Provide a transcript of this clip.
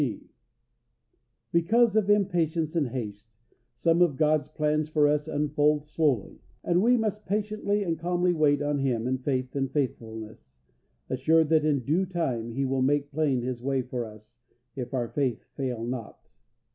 (g) Because of impatience and haste. Some of God's plans for us unfold slowly, and we must patiently and calmly wait on Him in faith and faithfulness, assured that in due time He will make plain His way for us, if our faith fail not.